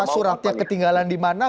suratnya ketinggalan di mana